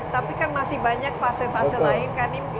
tapi kan masih banyak fase fase lain kan